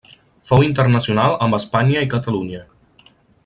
Fou internacional amb Espanya i Catalunya.